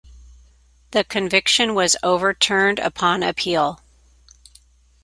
The conviction was overturned upon appeal.